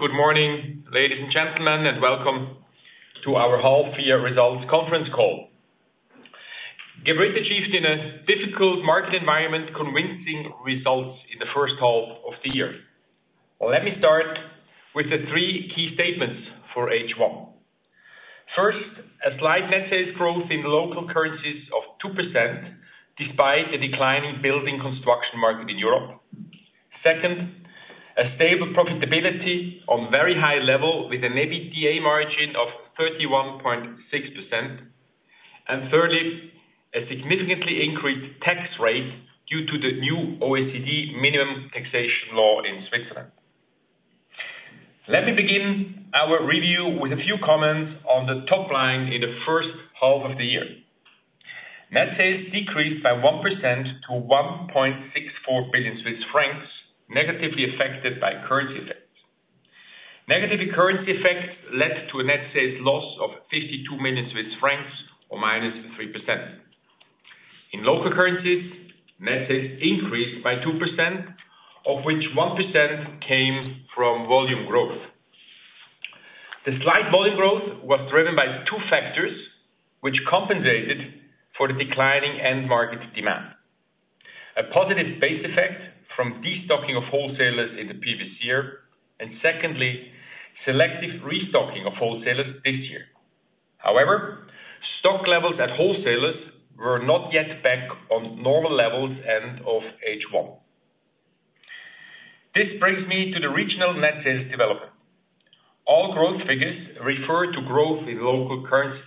Good morning, ladies and gentlemen, and welcome to our half year results conference call. Geberit achieved in a difficult market environment convincing results in the first half of the year. Well, let me start with the three key statements for H1. First, a slight net sales growth in local currencies of 2%, despite a decline in building construction market in Europe. Second, a stable profitability on very high level with an EBITDA margin of 31.6%. And thirdly, a significantly increased tax rate due to the new OECD minimum taxation law in Switzerland. Let me begin our review with a few comments on the top line in the first half of the year. Net sales decreased by 1% to 1.64 billion Swiss francs, negatively affected by currency effects. Negative currency effects led to a net sales loss of 52 million Swiss francs, or -3%. In local currencies, net sales increased by 2%, of which 1% came from volume growth. The slight volume growth was driven by two factors, which compensated for the declining end market demand. A positive base effect from destocking of wholesalers in the previous year, and secondly, selective restocking of wholesalers this year. However, stock levels at wholesalers were not yet back on normal levels end of H1. This brings me to the regional net sales development. All growth figures refer to growth in local currencies.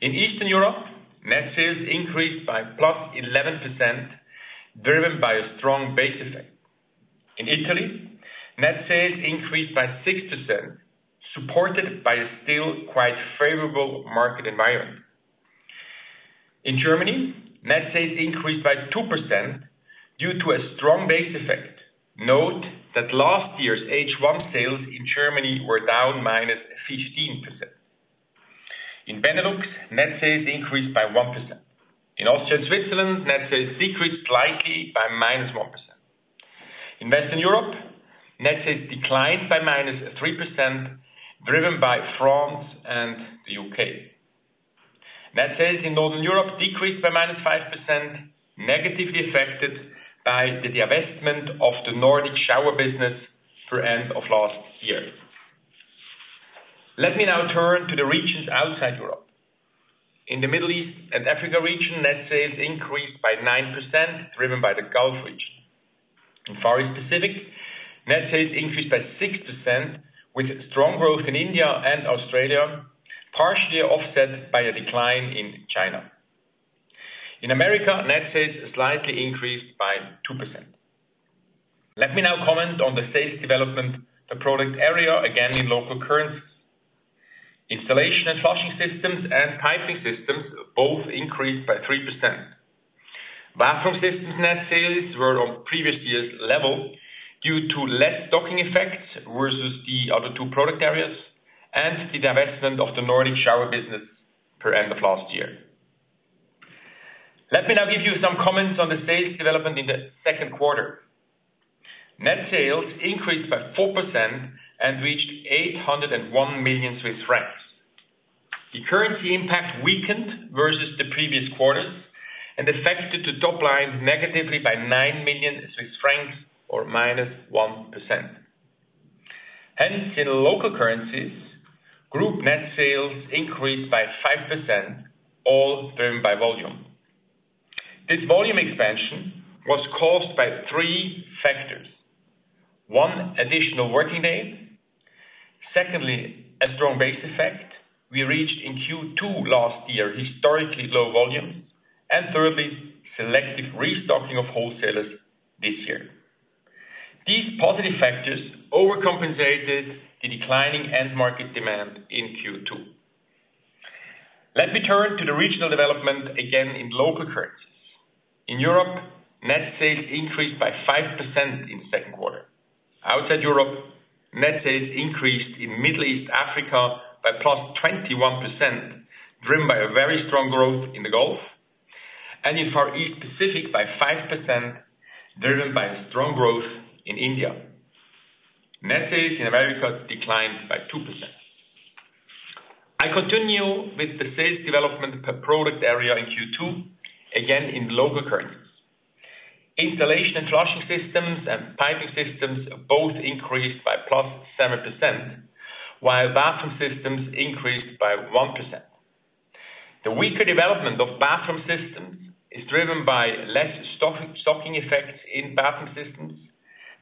In Eastern Europe, net sales increased by +11%, driven by a strong base effect. In Italy, net sales increased by 6%, supported by a still quite favorable market environment. In Germany, net sales increased by 2% due to a strong base effect. Note that last year's H1 sales in Germany were down -15%. In Benelux, net sales increased by 1%. In Austria and Switzerland, net sales decreased slightly by -1%. In Western Europe, net sales declined by -3%, driven by France and the UK. Net sales in Northern Europe decreased by -5%, negatively affected by the divestment of the Nordic shower business through end of last year. Let me now turn to the regions outside Europe. In the Middle East and Africa region, net sales increased by 9%, driven by the Gulf region. In Far East Pacific, net sales increased by 6%, with strong growth in India and Australia, partially offset by a decline in China. In America, net sales slightly increased by 2%. Let me now comment on the sales development, the product area, again, in local currencies. Installation and flushing systems and piping systems both increased by 3%. Bathroom systems net sales were on previous year's level, due to less stocking effects versus the other two product areas, and the divestment of the Nordic shower business per end of last year. Let me now give you some comments on the sales development in the second quarter. Net sales increased by 4% and reached 801 million Swiss francs. The currency impact weakened versus the previous quarters and affected the top line negatively by 9 million Swiss francs, or -1%. Hence, in local currencies, group net sales increased by 5%, all driven by volume. This volume expansion was caused by three factors. One, additional working day. Secondly, a strong base effect. We reached in Q2 last year, historically low volumes, and thirdly, selective restocking of wholesalers this year. These positive factors overcompensated the declining end market demand in Q2. Let me turn to the regional development again in local currencies. In Europe, net sales increased by 5% in the second quarter. Outside Europe, net sales increased in the Middle East, Africa by +21%, driven by a very strong growth in the Gulf, and in Far East Pacific by 5%, driven by strong growth in India. Net sales in America declined by 2%. I continue with the sales development per product area in Q2, again in local currencies. Installation and flushing systems and piping systems both increased by +7%, while bathroom systems increased by 1%. The weaker development of bathroom systems is driven by less restocking effects in bathroom systems,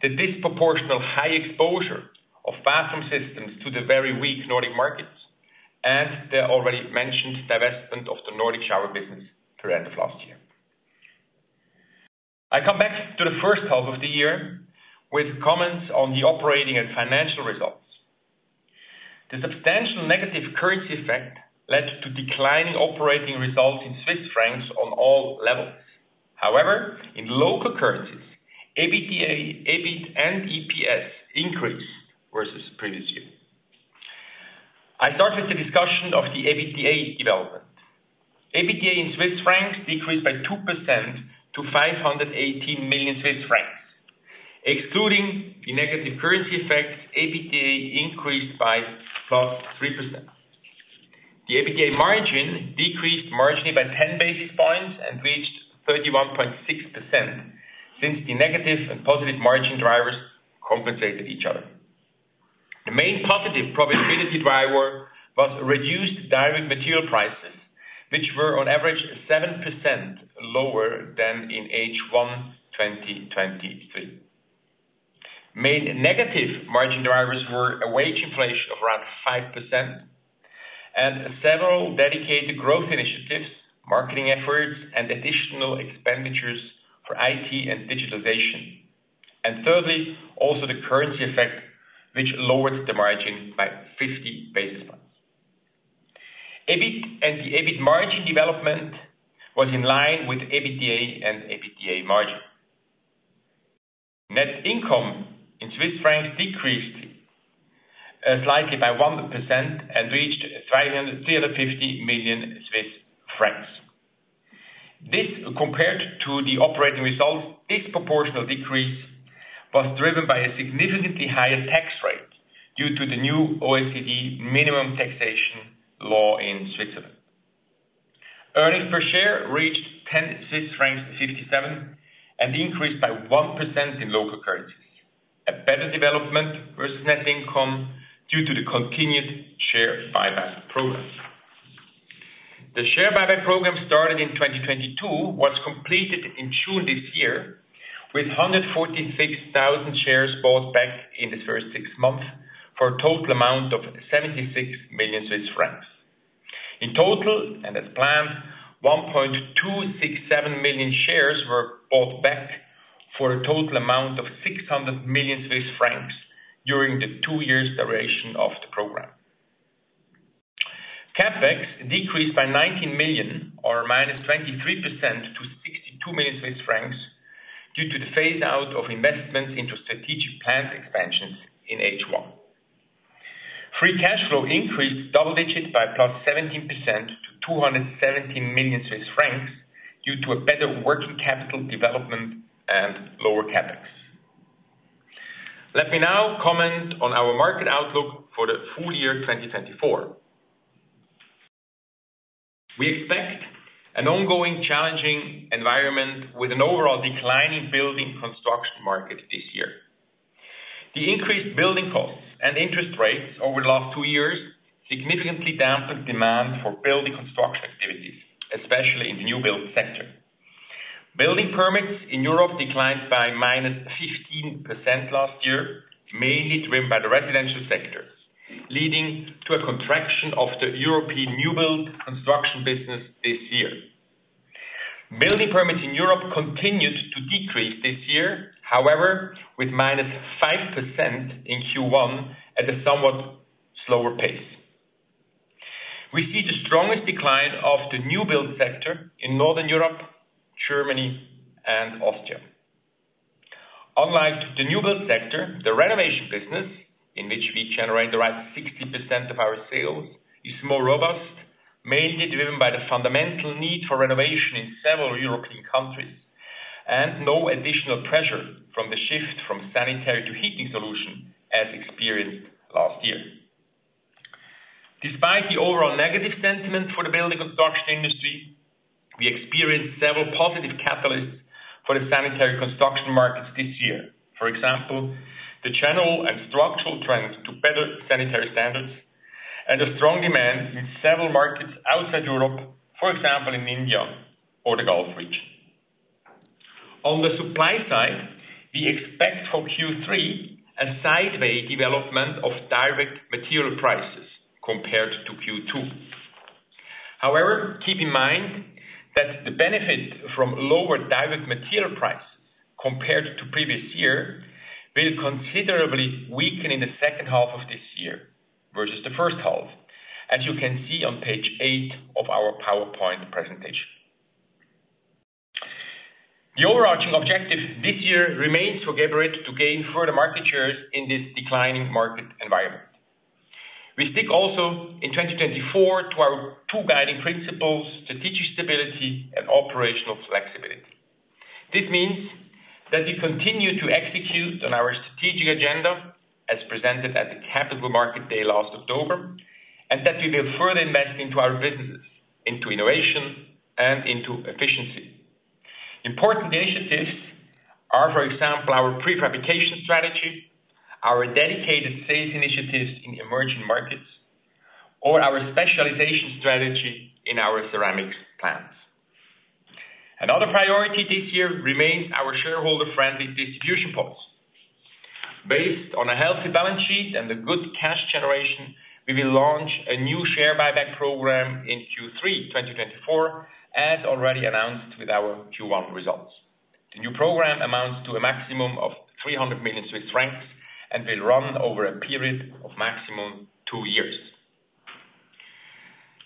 the disproportionate high exposure of bathroom systems to the very weak Nordic markets, and the already mentioned divestment of the Nordic shower business through end of last year. I come back to the first half of the year with comments on the operating and financial results. The substantial negative currency effect led to declining operating results in Swiss francs on all levels. However, in local currencies, EBITDA, EBIT, and EPS increased versus the previous year. I start with the discussion of the EBITDA development. EBITDA in Swiss francs decreased by 2% to 518 million Swiss francs. Excluding the negative currency effects, EBITDA increased by +3%. The EBITDA margin decreased marginally by 10 basis points and reached 31.6%, since the negative and positive margin drivers compensated each other. The main positive profitability driver was reduced direct material prices, which were on average 7% lower than in H1 2023. Main negative margin drivers were a wage inflation of around 5% and several dedicated growth initiatives, marketing efforts, and additional expenditures for IT and digitalization. And thirdly, also the currency effect, which lowered the margin by 50 basis points. EBIT and the EBIT margin development was in line with EBITDA and EBITDA margin. Net income in Swiss francs decreased slightly by 1% and reached 550 million Swiss francs. This, compared to the operating results, disproportional decrease was driven by a significantly higher tax rate due to the new OECD minimum taxation law in Switzerland. Earnings per share reached 10.57 Swiss francs, and increased by 1% in local currency. A better development versus net income due to the continued share buyback program. The share buyback program started in 2022, was completed in June this year, with 146,000 shares bought back in the first six months, for a total amount of 76 million Swiss francs. In total, and as planned, 1.267 million shares were bought back for a total amount of 600 million Swiss francs during the two years duration of the program. CapEx decreased by 19 million or -23% to 62 million Swiss francs, due to the phase out of investments into strategic plant expansions in H1. Free cash flow increased double digits by +17% to 217 million Swiss francs, due to a better working capital development and lower CapEx. Let me now comment on our market outlook for the full year 2024. We expect an ongoing challenging environment with an overall decline in building construction market this year. The increased building costs and interest rates over the last two years significantly dampened demand for building construction activities, especially in the new build sector. Building permits in Europe declined by -15% last year, mainly driven by the residential sector, leading to a contraction of the European new build construction business this year. Building permits in Europe continued to decrease this year, however, with -5% in Q1 at a somewhat slower pace. We see the strongest decline of the new build sector in Northern Europe, Germany, and Austria. Unlike the new build sector, the renovation business, in which we generate around 60% of our sales, is more robust, mainly driven by the fundamental need for renovation in several European countries, and no additional pressure from the shift from sanitary to heating solution as experienced last year. Despite the overall negative sentiment for the building construction industry, we experienced several positive catalysts for the sanitary construction markets this year. For example, the general and structural trends to better sanitary standards and a strong demand in several markets outside Europe, for example, in India or the Gulf region. On the supply side, we expect for Q3 a sideway development of direct material prices compared to Q2. However, keep in mind that the benefit from lower direct material price compared to previous year will considerably weaken in the second half of this year versus the first half, as you can see on page eight of our PowerPoint presentation. The overarching objective this year remains for Geberit to gain further market shares in this declining market environment. We stick also in 2024 to our two guiding principles, strategic stability and operational flexibility. This means that we continue to execute on our strategic agenda as presented at the Capital Market Day last October, and that we will further invest into our businesses, into innovation and into efficiency. Important initiatives are, for example, our prefabrication strategy, our dedicated sales initiatives in emerging markets, or our specialization strategy in our ceramic plants. Another priority this year remains our shareholder-friendly distribution policy. Based on a healthy balance sheet and a good cash generation, we will launch a new share buyback program in Q3 2024, as already announced with our Q1 results. The new program amounts to a maximum of 300 million Swiss francs and will run over a period of maximum two years.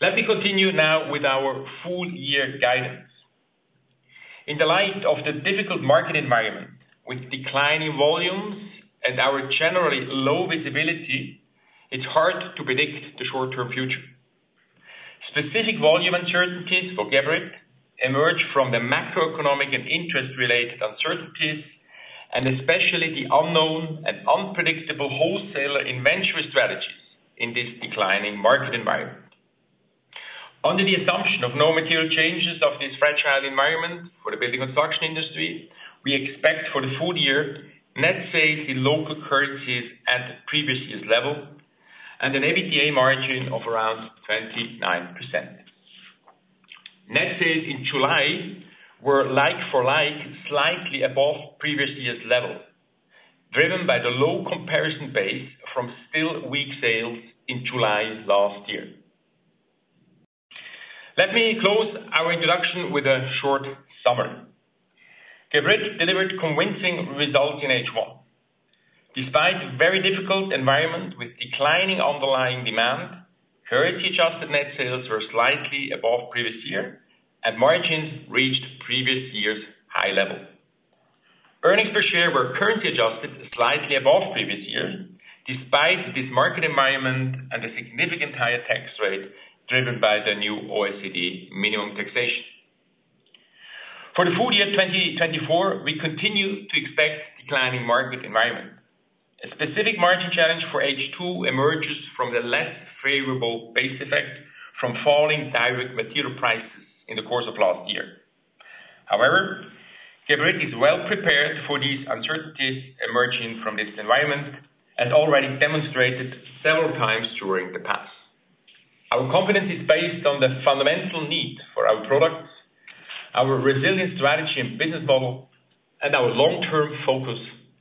Let me continue now with our full year guidance. In the light of the difficult market environment, with declining volumes and our generally low visibility, it's hard to predict the short-term future. Specific volume uncertainties for Geberit emerge from the macroeconomic and interest-related uncertainties, and especially the unknown and unpredictable wholesaler inventory strategies in this declining market environment. Under the assumption of no material changes of this fragile environment for the building construction industry, we expect for the full year, net sales in local currencies at previous year's level and an EBITDA margin of around 29%. Net sales in July were like for like, slightly above previous year's level, driven by the low comparison base from still weak sales in July last year. Let me close our introduction with a short summary. Geberit delivered convincing results in H1. Despite a very difficult environment with declining underlying demand, currency-adjusted net sales were slightly above previous year, and margins reached previous year's high level. Earnings per share were currency-adjusted slightly above previous year, despite this market environment and a significantly higher tax rate, driven by the new OECD minimum taxation. For the full year 2024, we continue to expect declining market environment. A specific margin challenge for H2 emerges from the less favorable base effect from falling direct material prices in the course of last year. However, Geberit is well prepared for these uncertainties emerging from this environment, and already demonstrated several times during the past. Our confidence is based on the fundamental need for our products, our resilient strategy and business model, and our long-term focus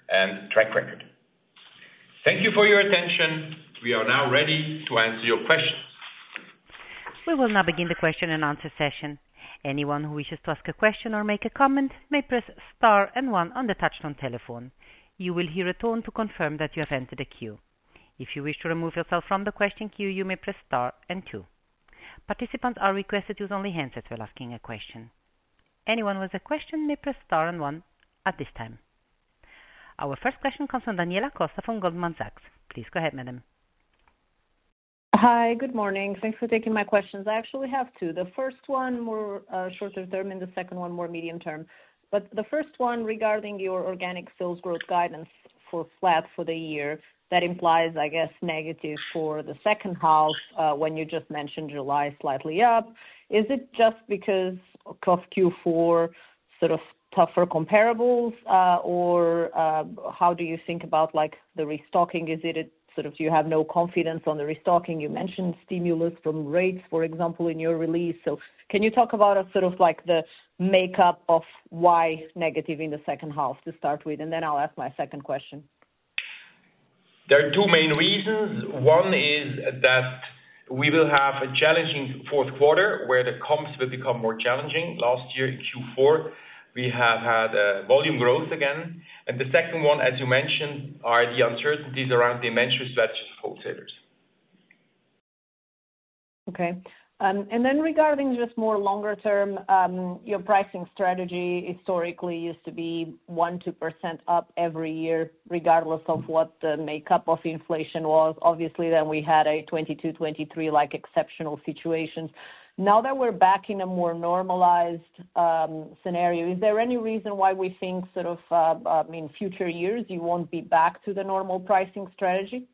and track record. Thank you for your attention. We are now ready to answer your questions. We will now begin the question-and-answer session. Anyone who wishes to ask a question or make a comment, may press star and one on the touchtone telephone. You will hear a tone to confirm that you have entered a queue. If you wish to remove yourself from the question queue, you may press star and two. Participants are requested to use only handsets when asking a question. Anyone with a question may press star and one at this time. Our first question comes from Daniela Costa from Goldman Sachs. Please go ahead, madam. Hi, good morning. Thanks for taking my questions. I actually have two. The first one more shorter term, and the second one more medium term. But the first one regarding your organic sales growth guidance for flat for the year, that implies, I guess, negative for the second half, when you just mentioned July slightly up. Is it just because of Q4 sort of tougher comparables, or how do you think about, like, the restocking? Is it sort of you have no confidence on the restocking? You mentioned stimulus from rates, for example, in your release. So can you talk about sort of like the makeup of why negative in the second half to start with, and then I'll ask my second question. There are two main reasons. One is that we will have a challenging fourth quarter, where the comps will become more challenging. Last year in Q4, we have had volume growth again, and the second one, as you mentioned, are the uncertainties around the inventory stretches of wholesalers. Okay, and then regarding just more longer term, your pricing strategy historically used to be 1-2% up every year, regardless of what the makeup of inflation was. Obviously, then we had a 2022, 2023, like, exceptional situations. Now that we're back in a more normalized scenario, is there any reason why we think sort of in future years you won't be back to the normal pricing strategy?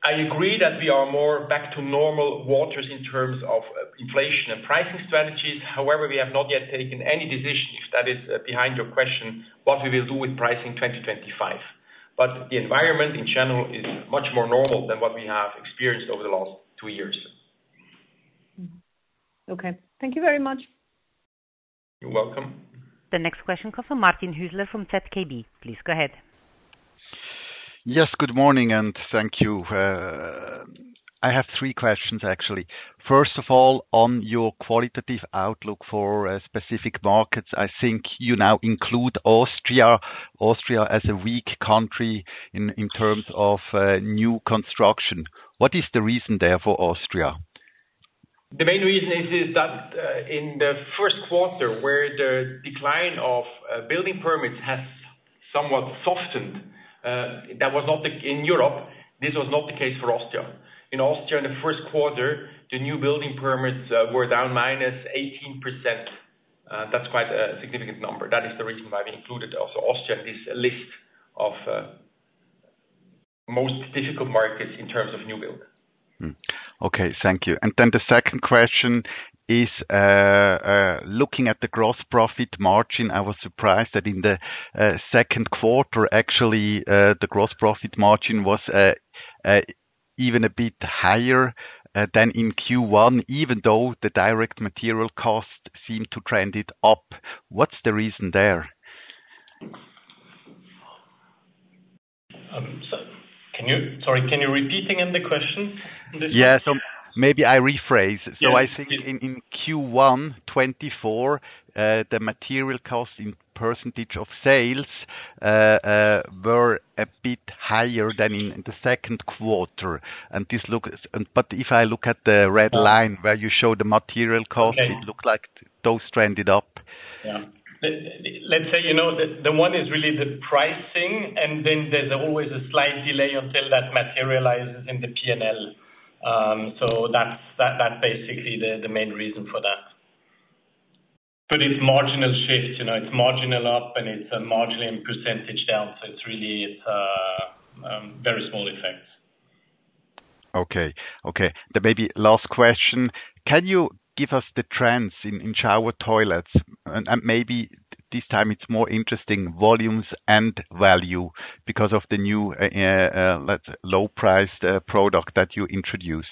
I agree that we are more back to normal waters in terms of inflation and pricing strategies. However, we have not yet taken any decisions if that is behind your question, what we will do with pricing 2025. But the environment in general is much more normal than what we have experienced over the last two years. Okay, thank you very much. You're welcome. The next question comes from Martin Hüsler from ZKB. Please go ahead. Yes, good morning, and thank you. I have three questions, actually. First of all, on your qualitative outlook for specific markets, I think you now include Austria, Austria as a weak country in terms of new construction. What is the reason there for Austria? The main reason is that in the first quarter, where the decline of building permits has somewhat softened, that was not the case in Europe for Austria. In Austria, in the first quarter, the new building permits were down -18%. That's quite a significant number. That is the reason why we included also Austria in this list of most difficult markets in terms of new build. Okay, thank you. And then the second question is, looking at the gross profit margin, I was surprised that in the second quarter, actually, the gross profit margin was even a bit higher than in Q1, even though the direct material costs seemed to trend it up. What's the reason there? Sorry, can you repeat again the question? Yeah. So maybe I rephrase. Yes. So I think in Q1 2024, the material cost in percentage of sales were a bit higher than in the second quarter, and this looks, but if I look at the red line where you show the material cost- Okay. It looks like those trended up. Yeah. Let's say, you know, the one is really the pricing, and then there's always a slight delay until that materializes in the P&L. So that's basically the main reason for that. But it's marginal shift, you know, it's marginal up, and it's a marginal percentage down, so it's really very small effect. Okay. Okay. Then maybe last question: Can you give us the trends in shower toilets? And maybe this time it's more interesting, volumes and value, because of the new low-priced product that you introduced.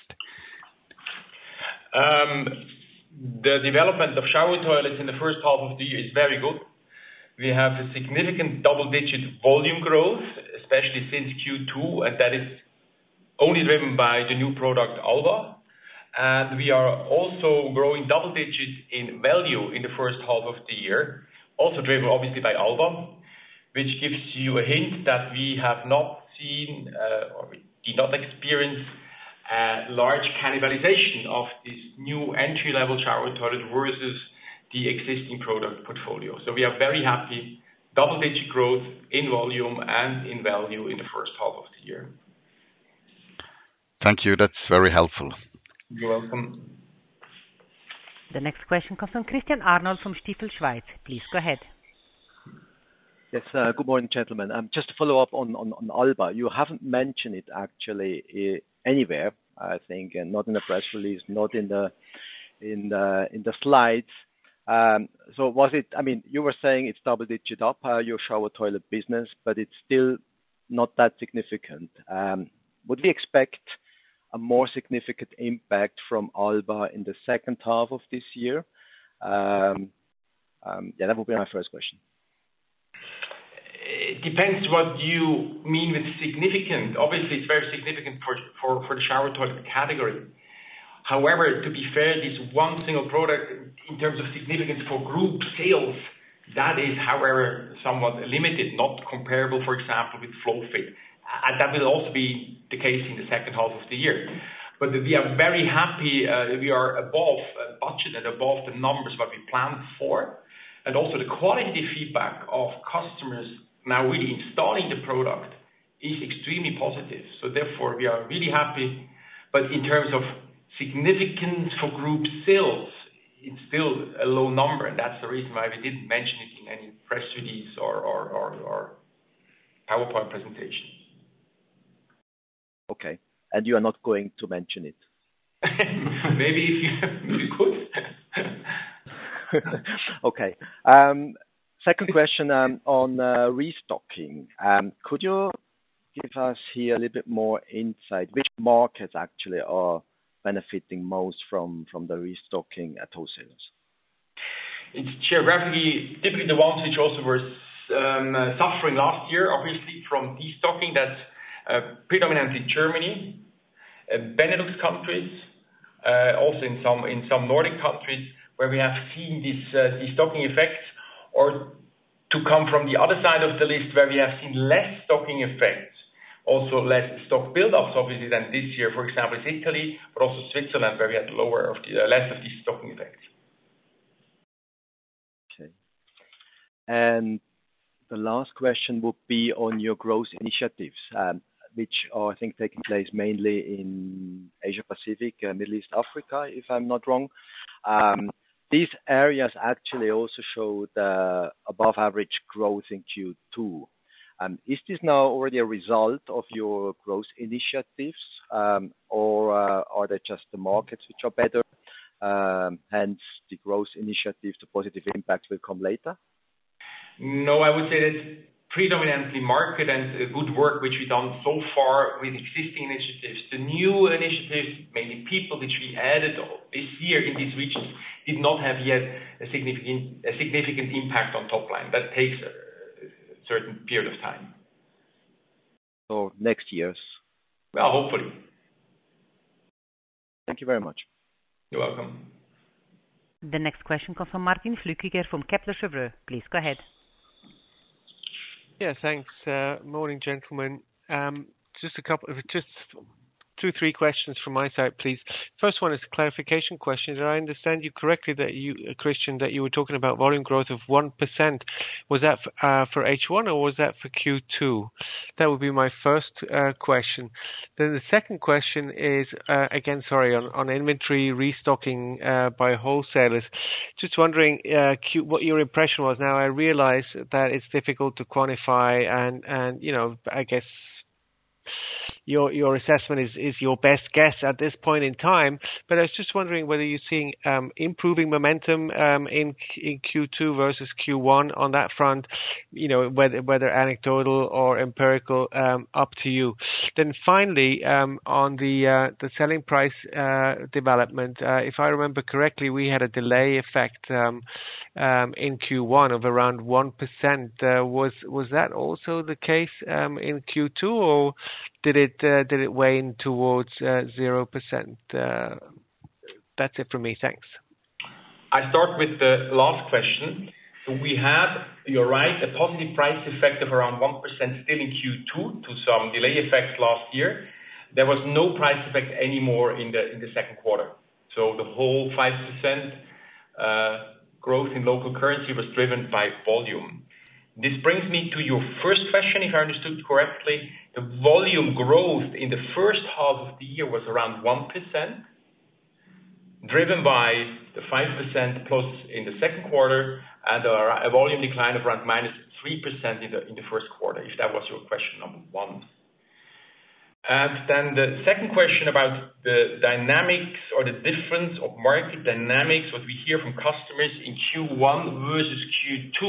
The development of shower toilets in the first half of the year is very good. We have a significant double-digit volume growth, especially since Q2, and that is only driven by the new product, Alba. And we are also growing double digits in value in the first half of the year, also driven obviously by Alba, which gives you a hint that we have not seen, or we did not experience, large cannibalization of this new entry-level shower toilet versus the existing product portfolio. So we are very happy, double-digit growth in volume and in value in the first half of the year. Thank you. That's very helpful. You're welcome. The next question comes from Christian Arnold, from Stifel Schweiz. Please go ahead. Yes, good morning, gentlemen. Just to follow up on Alba, you haven't mentioned it actually anywhere, I think, and not in a press release, not in the slides. So was it. I mean, you were saying it's double digit up, your shower toilet business, but it's still not that significant. Would we expect a more significant impact from Alba in the second half of this year? Yeah, that would be my first question. It depends what you mean with significant. Obviously, it's very significant for the shower toilet category. However, to be fair, this one single product, in terms of significance for group sales, that is however, somewhat limited, not comparable, for example, with FlowFit. And that will also be the case in the second half of the year. But we are very happy, we are above budget and above the numbers what we planned for, and also the quality feedback of customers now really installing the product is extremely positive. So therefore, we are really happy. But in terms of significance for group sales, it's still a low number, and that's the reason why we didn't mention it in any press release or PowerPoint presentation. Okay. You are not going to mention it? Maybe we could. Okay, second question, on restocking. Could you give us here a little bit more insight, which markets actually are benefiting most from the restocking at wholesalers? It's geographically, typically the ones which also were suffering last year, obviously, from destocking, that's predominantly Germany, Benelux countries, also in some Nordic countries, where we have seen this destocking effect, or to come from the other side of the list, where we have seen less stocking effect. Also less stock build-ups obviously than this year, for example, is Italy, but also Switzerland, where we had less of the destocking effect. Okay. The last question would be on your growth initiatives, which are, I think, taking place mainly in Asia Pacific and Middle East Africa, if I'm not wrong. These areas actually also show the above-average growth in Q2. Is this now already a result of your growth initiatives, or are they just the markets which are better, hence the growth initiatives, the positive impact will come later? No, I would say it's predominantly market and good work, which we've done so far with existing initiatives. The new initiatives, mainly people which we added on this year in these regions, did not have yet a significant impact on top line. That takes a certain period of time. Next year's? Well, hopefully. Thank you very much. You're welcome. The next question comes from Martin Flueckiger from Kepler Cheuvreux. Please go ahead. Yeah, thanks. Morning, gentlemen. Just a couple, just two, three questions from my side, please. First one is a clarification question. Did I understand you correctly, that you, Christian, that you were talking about volume growth of 1%? Was that for H1 or was that for Q2? That would be my first question. Then the second question is, again, sorry, on inventory restocking by wholesalers. Just wondering what your impression was. Now, I realize that it's difficult to quantify and, you know, I guess your assessment is your best guess at this point in time, but I was just wondering whether you're seeing improving momentum in Q2 versus Q1 on that front, you know, whether anecdotal or empirical, up to you. Then finally, on the selling price development, if I remember correctly, we had a delay effect in Q1 of around 1%. Was that also the case in Q2, or did it weigh in towards 0%? That's it for me. Thanks. I start with the last question. So we had, you're right, a positive price effect of around 1% still in Q2 to some delay effects last year. There was no price effect anymore in the second quarter, so the whole 5% growth in local currency was driven by volume. This brings me to your first question, if I understood correctly, the volume growth in the first half of the year was around 1%, driven by the 5% plus in the second quarter and a volume decline of around -3% in the first quarter, if that was your question number one. And then the second question about the dynamics or the difference of market dynamics, what we hear from customers in Q1 versus Q2,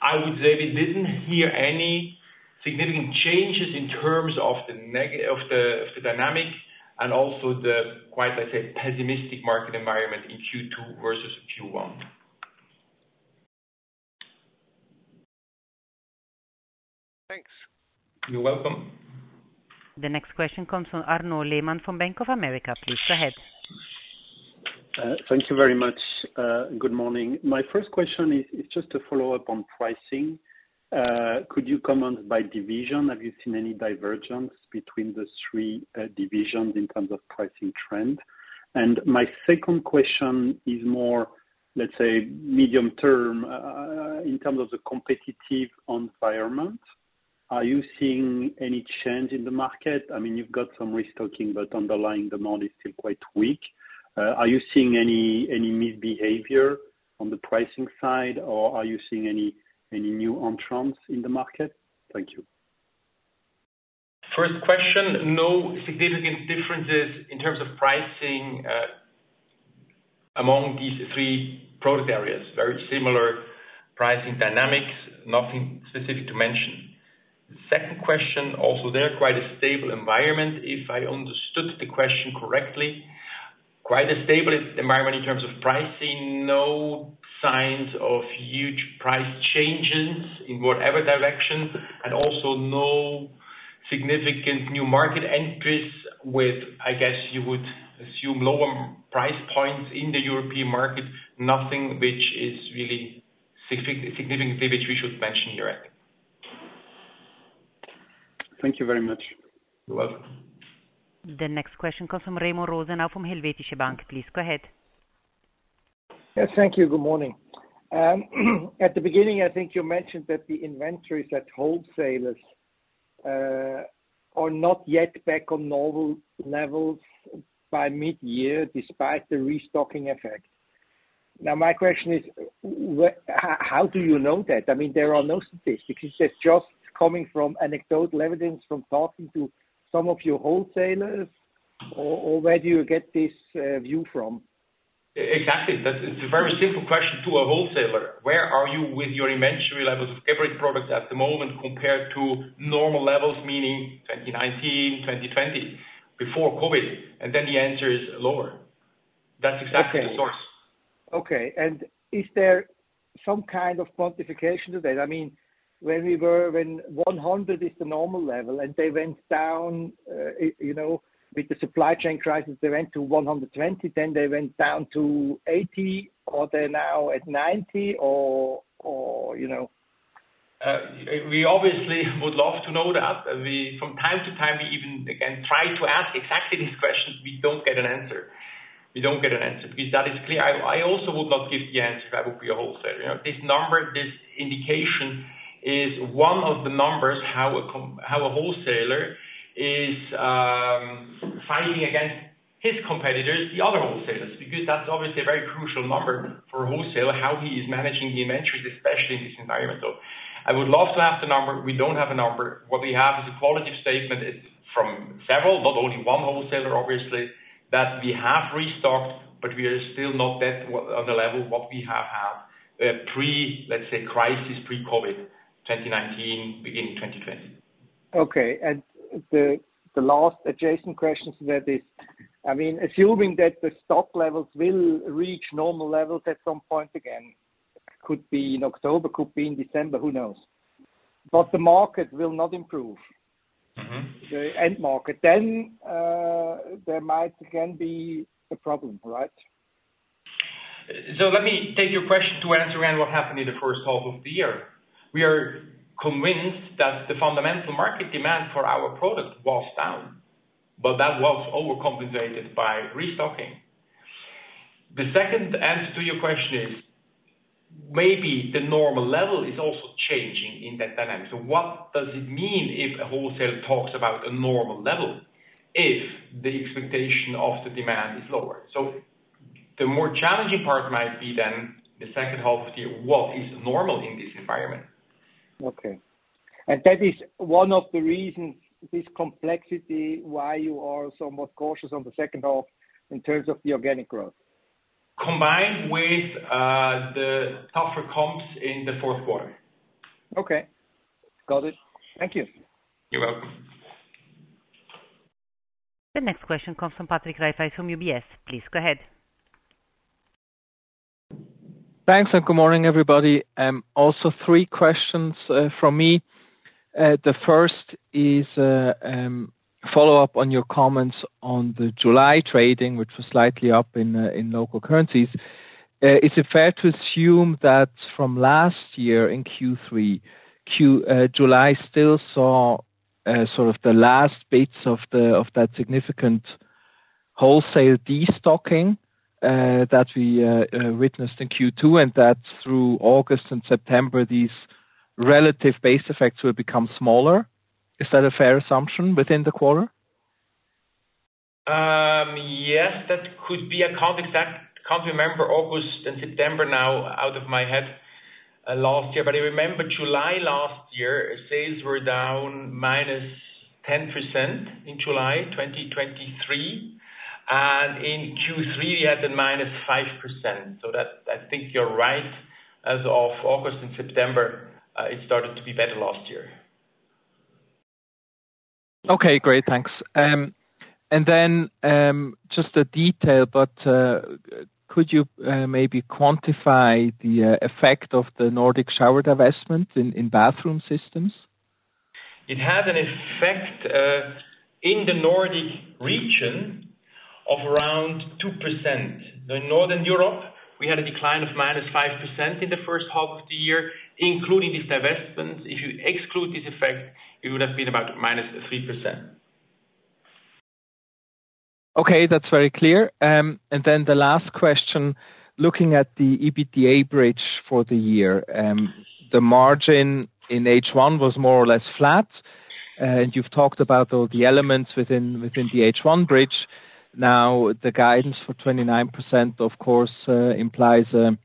I would say we didn't hear any significant changes in terms of the negativity of the dynamics and also the quite, let's say, pessimistic market environment in Q2 versus Q1. Thanks. You're welcome. The next question comes from Arnaud Lehmann from Bank of America. Please go ahead. Thank you very much. Good morning. My first question is just a follow-up on pricing. Could you comment by division? Have you seen any divergence between the three divisions in terms of pricing trend? My second question is more, let's say, medium term. In terms of the competitive environment, are you seeing any change in the market? I mean, you've got some restocking, but underlying demand is still quite weak. Are you seeing any new behavior on the pricing side, or are you seeing any new entrants in the market? Thank you. First question, no significant differences in terms of pricing, among these three product areas. Very similar pricing dynamics, nothing specific to mention. Second question, also, they're quite a stable environment, if I understood the question correctly. Quite a stable environment in terms of pricing, no signs of huge price changes in whatever direction, and also no significant new market entries with, I guess, you would assume, lower price points in the European market. Nothing which is really significant, which we should mention here. Thank you very much. You're welcome. The next question comes from Remo Rosenau from Helvetische Bank. Please go ahead. Yes, thank you. Good morning. At the beginning, I think you mentioned that the inventories at wholesalers are not yet back on normal levels by Midyear, despite the restocking effect. Now, my question is: how do you know that? I mean, there are no statistics. Is this just coming from anecdotal evidence, from talking to some of your wholesalers, or where do you get this view from? Exactly. That's it. It's a very simple question to a wholesaler. Where are you with your inventory levels of every product at the moment compared to normal levels, meaning 2019, 2020, before COVID? And then the answer is lower. That's exactly the source. Okay, and is there some kind of quantification to that? I mean, when we were, when 100 is the normal level and they went down, you know, with the supply chain crisis, they went to 120, then they went down to 80, or they're now at 90 or, or, you know. We obviously would love to know that. We, from time to time, we even, again, try to ask exactly these questions. We don't get an answer. We don't get an answer because that is clear. I, I also would not give the answer if I would be a wholesaler. You know, this number, this indication, is one of the numbers, how a com- how a wholesaler is fighting against his competitors, the other wholesalers, because that's obviously a very crucial number for a wholesaler, how he is managing the inventory, especially in this environment. So I would love to have the number. We don't have a number. What we have is a quality statement it from several, not only one wholesaler, obviously, that we have restocked, but we are still not that well on the level what we have had pre-crisis, pre-COVID, 2019, beginning 2020. Okay, and the last adjacent question to that is, I mean, assuming that the stock levels will reach normal levels at some point again, could be in October, could be in December, who knows? But the market will not improve. The end market, then, there might again be a problem, right? So let me take your question to answer around what happened in the first half of the year. We are convinced that the fundamental market demand for our product was down, but that was overcompensated by restocking. The second answer to your question is, maybe the normal level is also changing in that dynamic. So what does it mean if a wholesaler talks about a normal level, if the expectation of the demand is lower? So the more challenging part might be then the second half of the year, what is normal in this environment? Okay. And that is one of the reasons, this complexity, why you are so more cautious on the second half in terms of the organic growth? Combined with the tougher comps in the fourth quarter. Okay. Got it. Thank you. You're welcome. The next question comes from Patrick Rafaisz from UBS. Please go ahead. Thanks, and good morning, everybody. Also three questions from me. The first is follow up on your comments on the July trading, which was slightly up in local currencies. Is it fair to assume that from last year in Q3, July still saw sort of the last bits of that significant wholesale destocking that we witnessed in Q2, and that through August and September, these relative base effects will become smaller? Is that a fair assumption within the quarter? Yes, that could be. I can't remember August and September now, out of my head, last year, but I remember July last year, sales were down minus 10% in July 2023, and in Q3 we had a minus 5%. So that, I think you're right, as of August and September, it started to be better last year. Okay, great. Thanks. And then, just a detail, but could you maybe quantify the effect of the Nordic shower divestment in bathroom systems? It had an effect in the Nordic region of around 2%. In Northern Europe, we had a decline of -5% in the first half of the year, including the divestment. If you exclude this effect, it would have been about -3%. Okay. That's very clear. And then the last question, looking at the EBITDA bridge for the year, the margin in H1 was more or less flat, and you've talked about all the elements within the H1 bridge. Now, the guidance for 29%, of course, implies a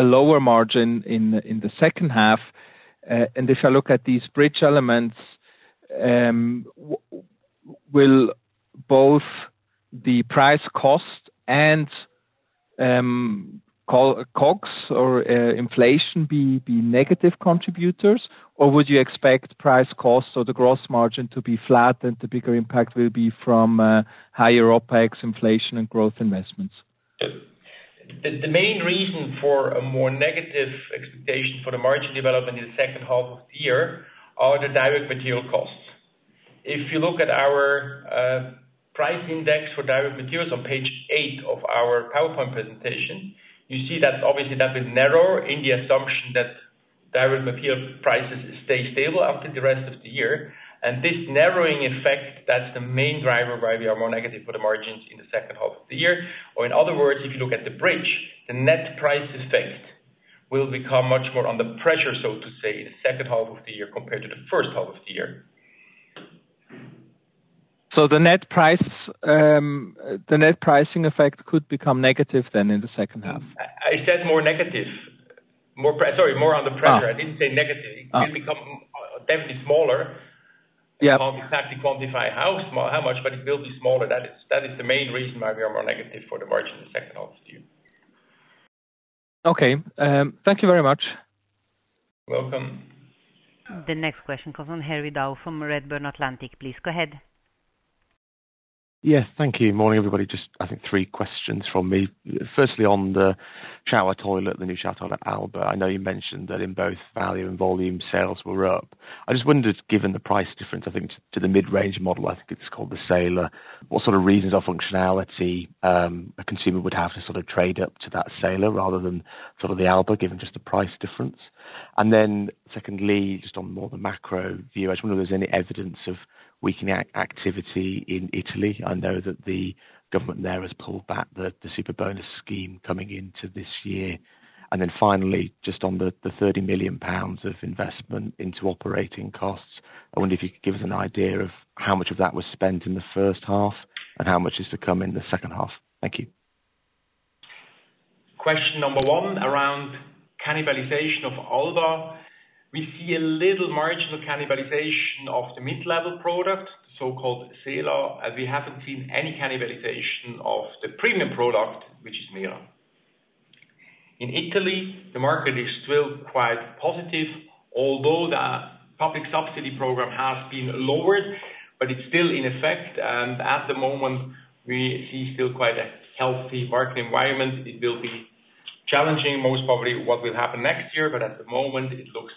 lower margin in the second half. And if I look at these bridge elements, will both the price cost and call COGS or inflation be negative contributors, or would you expect price costs or the gross margin to be flat and the bigger impact will be from higher OpEx inflation and growth investments? The main reason for a more negative expectation for the margin development in the second half of the year are the direct material costs. If you look at our price index for direct materials on page eight of our PowerPoint presentation, you see that obviously that is narrower in the assumption that direct material prices stay stable after the rest of the year. And this narrowing effect, that's the main driver why we are more negative for the margins in the second half of the year. Or in other words, if you look at the bridge, the net price effect will become much more under pressure, so to say, in the second half of the year compared to the first half of the year. So the net price, the net pricing effect could become negative then in the second half? I said more negative, more under pressure. Oh. I didn't say negative. Oh. It will become definitely smaller. Yeah. I can't exactly quantify how small, how much, but it will be smaller. That is, that is the main reason why we are more negative for the margin in the second half of this year. Okay. Thank you very much. Welcome. The next question comes from Harry Goad from Redburn Atlantic. Please, go ahead. Yes, thank you. Morning, everybody. Just I think three questions from me. Firstly, on the shower toilet, the new shower toilet, Alba, I know you mentioned that in both value and volume, sales were up. I just wondered, just given the price difference, I think to the mid-range model, I think it's called the Sela, what sort of reasons or functionality a consumer would have to sort of trade up to that Sela rather than sort of the Alba, given just the price difference? And then secondly, just on more the macro view, I just wonder if there's any evidence of weakening activity in Italy. I know that the government there has pulled back the super bonus scheme coming into this year. And then finally, just on the 30 million pounds of investment into operating costs, I wonder if you could give us an idea of how much of that was spent in the first half, and how much is to come in the second half. Thank you. Question number one, around cannibalization of Alba, we see a little marginal cannibalization of the mid-level product, so-called Sela, and we haven't seen any cannibalization of the premium product, which is Mera. In Italy, the market is still quite positive, although the public subsidy program has been lowered, but it's still in effect, and at the moment we see still quite a healthy market environment. It will be challenging, most probably, what will happen next year, but at the moment it looks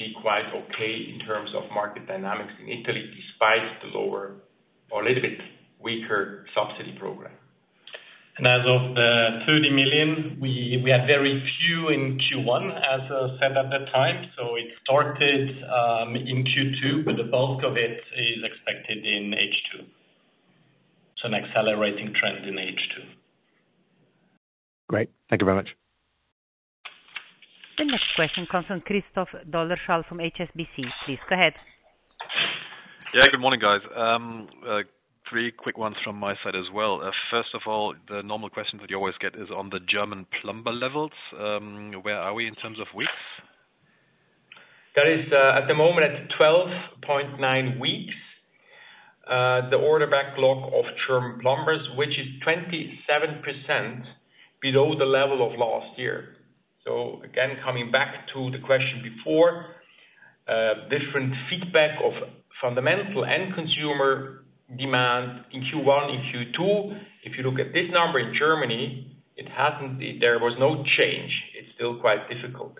to be quite okay in terms of market dynamics in Italy, despite the lower or a little bit weaker subsidy program. As of the 30 million, we had very few in Q1, as said at that time, so it started in Q2, but the bulk of it is expected in H2. An accelerating trend in H2. Great. Thank you very much. The next question comes from Christoph Dolleschal from HSBC. Please, go ahead. Yeah, good morning, guys. Three quick ones from my side as well. First of all, the normal question that you always get is on the German plumber levels. Where are we in terms of weeks? That is, at the moment, 12.9 weeks, the order backlog of German plumbers, which is 27% below the level of last year. So again, coming back to the question before, different feedback of fundamental and consumer demand in Q1, in Q2. If you look at this number in Germany, it hasn't, there was no change. It's still quite difficult.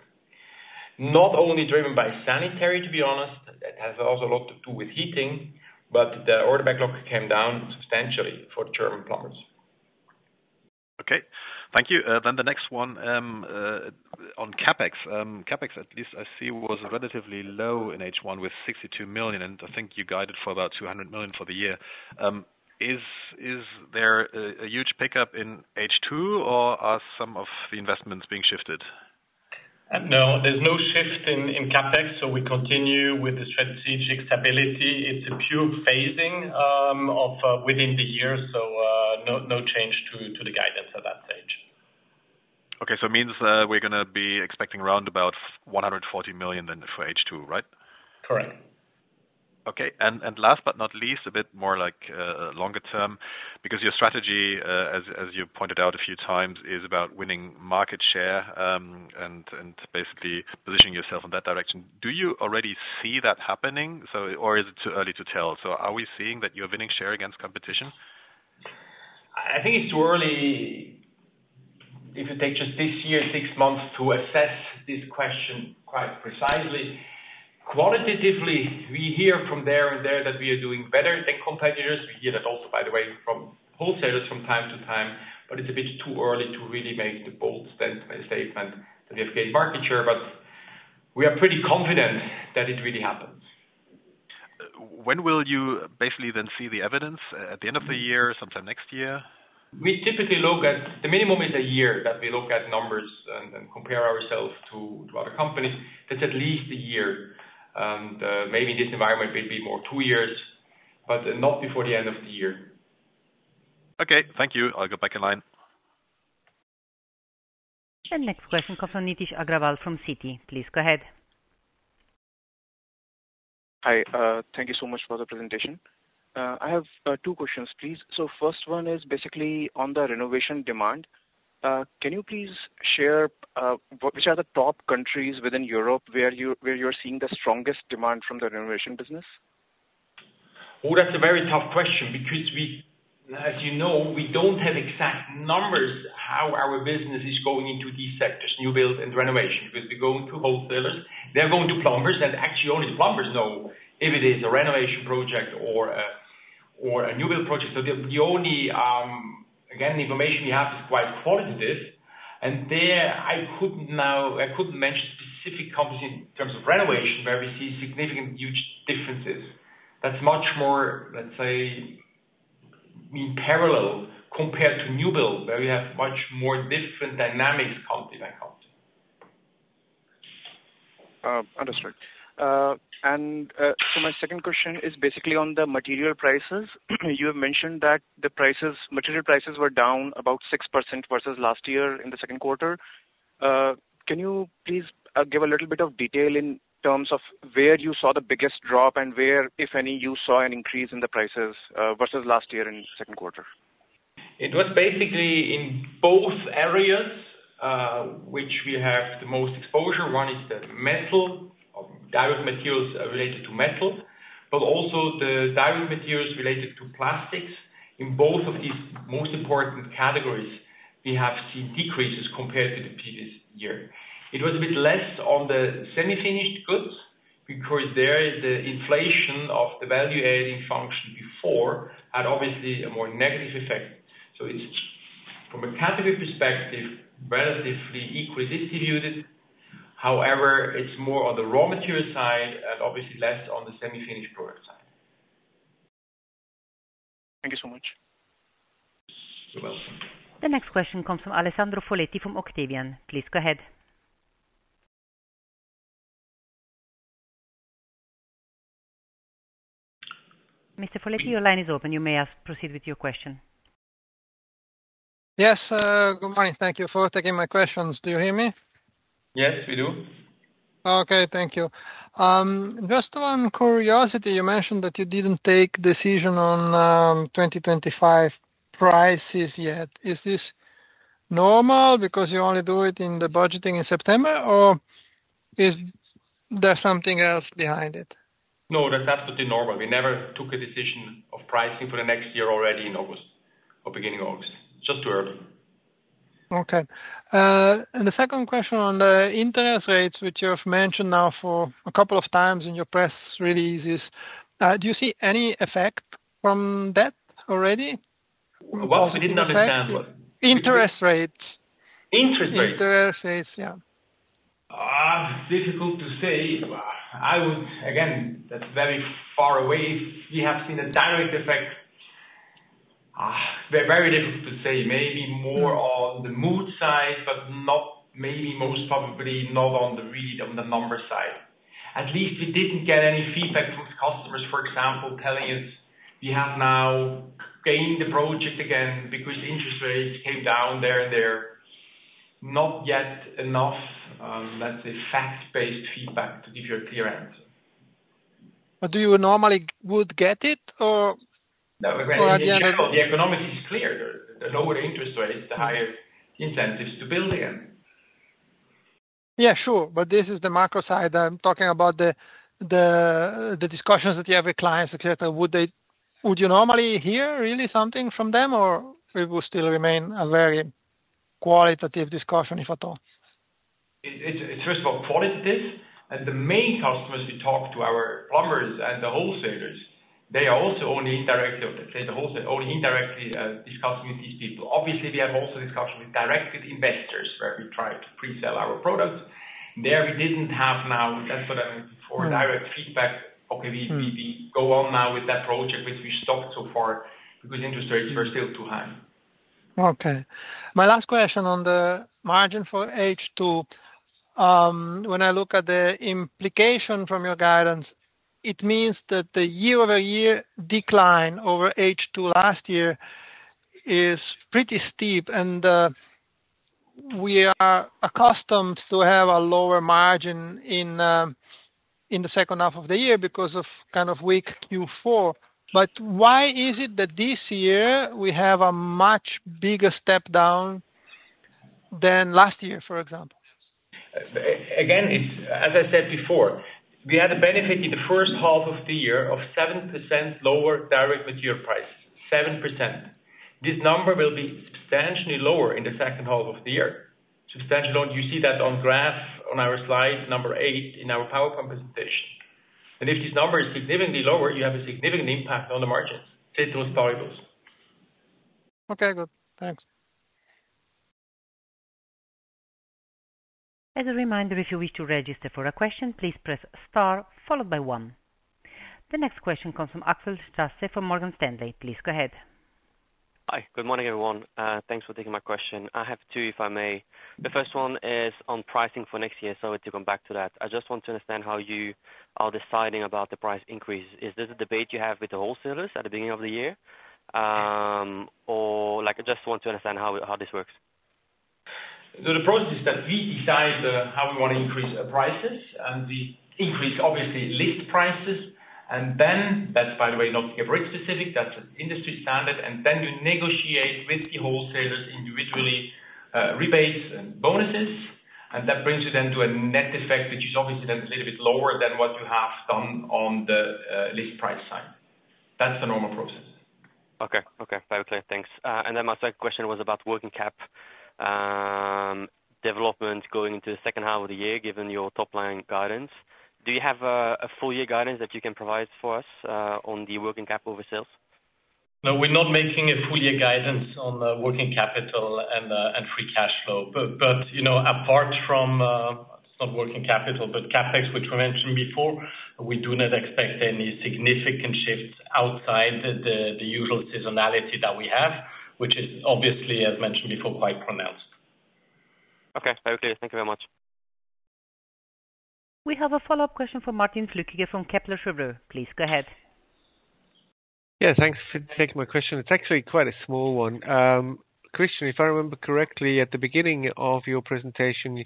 Not only driven by sanitary, to be honest, it has also a lot to do with heating, but the order backlog came down substantially for German plumbers. Okay. Thank you. Then the next one, on CapEx. CapEx, at least I see, was relatively low in H1 with 62 million, and I think you guided for about 200 million for the year. Is, is there a, a huge pickup in H2, or are some of the investments being shifted? No, there's no shift in CapEx, so we continue with the strategic stability. It's a pure phasing of within the year, so no, no change to the guidance at that stage. Okay, so it means we're gonna be expecting around about 140 million then for H2, right? Correct. Okay. And last but not least, a bit more like longer term, because your strategy as you pointed out a few times is about winning market share, and basically positioning yourself in that direction. Do you already see that happening, or is it too early to tell? Are we seeing that you're winning share against competition? I think it's too early, if you take just this year, six months, to assess this question quite precisely. Quantitatively, we hear from here and there that we are doing better than competitors. We hear that also, by the way, from wholesalers from time to time, but it's a bit too early to really make the bold statement that we have gained market share, but we are pretty confident that it really happens. When will you basically then see the evidence, at the end of the year, sometime next year? We typically look at. The minimum is a year that we look at numbers and compare ourselves to other companies. It's at least a year. Maybe this environment will be more two years, but not before the end of the year. Okay, thank you. I'll go back in line. The next question comes from Nitesh Agarwal from Citi. Please go ahead. Hi, thank you so much for the presentation. I have two questions, please. So first one is basically on the renovation demand. Can you please share which are the top countries within Europe where you're seeing the strongest demand from the renovation business? Oh, that's a very tough question because we, as you know, we don't have exact numbers, how our business is going into these sectors, new build and renovation. Because we're going to wholesalers, they're going to plumbers, and actually only the plumbers know if it is a renovation project or a new build project. So the only, again, the information we have is quite qualitative, and there I couldn't now, I couldn't mention specific countries in terms of renovation, where we see significant, huge differences. That's much more, let's say, in parallel compared to new build, where we have much more different dynamics, country by country. Understood. And, so my second question is basically on the material prices. You have mentioned that the prices, material prices were down about 6% versus last year in the second quarter. Can you please give a little bit of detail in terms of where you saw the biggest drop and where, if any, you saw an increase in the prices versus last year in the second quarter? It was basically in both areas which we have the most exposure. One is the metal direct materials related to metal, but also the direct materials related to plastics. In both of these most important categories, we have seen decreases compared to the previous year. It was a bit less on the semi-finished goods, because there, the inflation of the value-adding function before had obviously a more negative effect. So it's, from a category perspective, relatively equally distributed. However, it's more on the raw material side and obviously less on the semi-finished product side. Thank you so much. You're welcome. The next question comes from Alessandro Foletti from Octavian. Please go ahead. Mr. Foletti, your line is open. You may proceed with your question. Yes, good morning. Thank you for taking my questions. Do you hear me? Yes, we do. Okay. Thank you. Just on curiosity, you mentioned that you didn't take decision on 2025 prices yet. Is this normal because you only do it in the budgeting in September, or is there something else behind it? No, that's absolutely normal. We never took a decision of pricing for the next year already in August or beginning of August, it's just too early. Okay. And the second question on the interest rates, which you have mentioned now for a couple of times in your press releases, do you see any effect from that already? Well, we did not understand what- Interest rates. Interest rates? Interest rates, yeah. Difficult to say. I would. Again, that's very far away. We have seen a direct effect. Very difficult to say. Maybe more on the mood side, but not, maybe most probably not on the read, on the number side. At least we didn't get any feedback from the customers, for example, telling us we have now gained the project again because interest rates came down there and there. Not yet enough, let's say, fact-based feedback to give you a clear answer. But do you normally would get it or? No, in general, the economics is clear. The lower interest rates, the higher incentives to build again. Yeah, sure. But this is the macro side. I'm talking about the discussions that you have with clients, et cetera. Would you normally hear really something from them, or it will still remain a very qualitative discussion, if at all? It's first of all qualitative, and the main customers we talk to, our plumbers and the wholesalers, they are also only indirectly, let's say, the wholesale only indirectly discussing with these people. Obviously, we have also discussion with direct investors, where we try to pre-sell our products. There we didn't have now that sort of or direct feedback. Okay, we go on now with that project which we stopped so far because interest rates are still too high. Okay. My last question on the margin for H2. When I look at the implication from your guidance, it means that the year-over-year decline over H2 last year is pretty steep, and we are accustomed to have a lower margin in the second half of the year because of kind of weak Q4. But why is it that this year we have a much bigger step down than last year, for example? Again, it's, as I said before, we had a benefit in the first half of the year of 7% lower direct material price, 7%. This number will be substantially lower in the second half of the year. Substantially, you see that on the graph on our slide number eight in our PowerPoint presentation. If this number is significantly lower, you have a significant impact on the margins. Simple as possible. Okay, good. Thanks. As a reminder, if you wish to register for a question, please press star followed by one. The next question comes from Axel Stasse from Morgan Stanley. Please go ahead. Hi. Good morning, everyone. Thanks for taking my question. I have two, if I may. The first one is on pricing for next year, so we'll come back to that. I just want to understand how you are deciding about the price increase. Is this a debate you have with the wholesalers at the beginning of the year? Or like, I just want to understand how this works. So the process is that we decide how we want to increase our prices, and we increase obviously list prices. And then that's, by the way, not Geberit specific; that's industry standard. And then you negotiate with the wholesalers individually rebates and bonuses, and that brings you then to a net effect, which is obviously then a little bit lower than what you have done on the list price side. That's the normal process. Okay. Okay, very clear. Thanks. And then my second question was about working cap development going into the second half of the year, given your top line guidance. Do you have a full year guidance that you can provide for us on the working cap over sales? No, we're not making a full year guidance on working capital and free cash flow. But you know, apart from some working capital, but CapEx, which we mentioned before, we do not expect any significant shifts outside the usual seasonality that we have, which is obviously, as mentioned before, quite pronounced. Okay, very clear. Thank you very much. We have a follow-up question from Martin Flueckiger from Kepler Cheuvreux. Please go ahead. Yeah, thanks for taking my question. It's actually quite a small one. Christian, if I remember correctly, at the beginning of your presentation,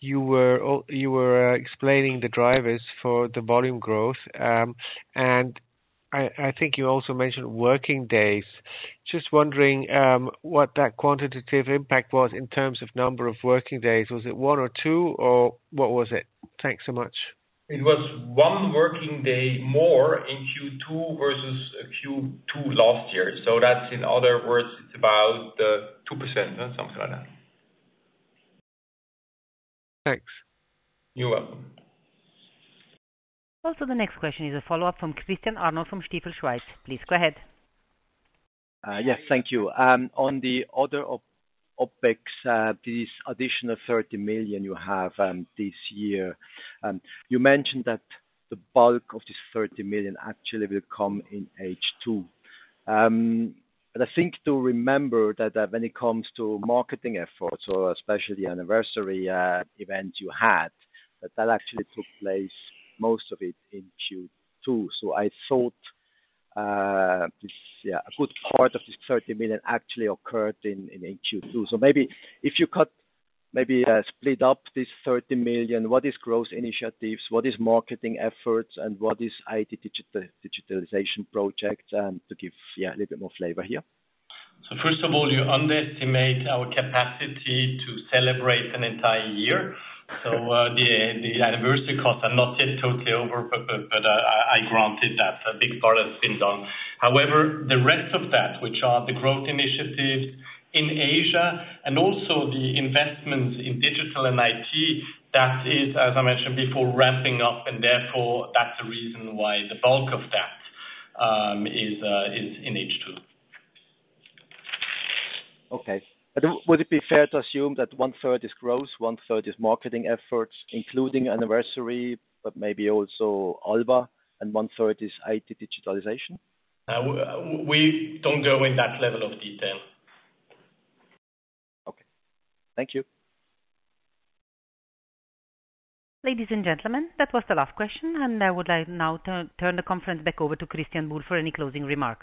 you were explaining the drivers for the volume growth. And I think you also mentioned working days. Just wondering, what that quantitative impact was in terms of number of working days. Was it one or two, or what was it? Thanks so much. It was one working day more in Q2 versus Q2 last year. So that's in other words, it's about 2% or something like that. Thanks. You're welcome. Also, the next question is a follow-up from Christian Arnold from Stifel Schweiz. Please go ahead. Yes, thank you. On the other OpEx, this additional 30 million you have this year, you mentioned that the bulk of this 30 million actually will come in H2. But I think to remember that when it comes to marketing efforts or especially anniversary event you had, that actually took place, most of it, in Q2. So I thought this, yeah, a good part of this 30 million actually occurred in H2. So maybe if you could split up this 30 million, what is growth initiatives, what is marketing efforts, and what is IT digitalization projects, to give yeah a little bit more flavor here? So first of all, you underestimate our capacity to celebrate an entire year. So, the anniversary costs are not yet totally over, but I granted that. A big part has been done. However, the rest of that, which are the growth initiatives in Asia and also the investments in digital and IT, that is, as I mentioned before, ramping up, and therefore, that's the reason why the bulk of that is in H2. Okay. But would it be fair to assume that one third is growth, one third is marketing efforts, including anniversary, but maybe also Alba, and one third is IT digitalization? We don't go in that level of detail. Okay. Thank you. Ladies and gentlemen, that was the last question, and I would like now to turn the conference back over to Christian Buhl for any closing remarks.